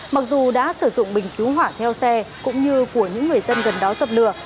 mặc dù đã sử dụng bình cứu hỏa theo xe cũng như của những người dân gần đó dập lửa